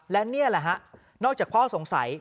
และนี่แหละฮะนอกจากพ่อสงสัย